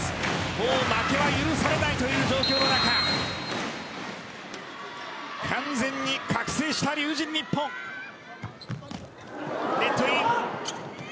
もう負けは許されないという状況の中完全に覚醒した龍神ＮＩＰＰＯＮ。